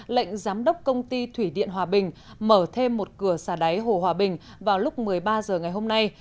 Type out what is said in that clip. lệnh giám đốc công ty thủy điện hòa bình mở thêm một cửa xà đáy hồ hòa bình vào lúc một mươi ba h ngày hôm nay